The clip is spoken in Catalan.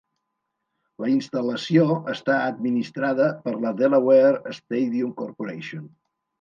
La instal·lació està administrada per la Delaware Stadium Corporation.